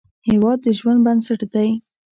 هیواد د ژوند بنسټ دی